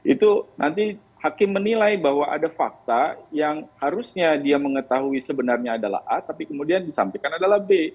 itu nanti hakim menilai bahwa ada fakta yang harusnya dia mengetahui sebenarnya adalah a tapi kemudian disampaikan adalah b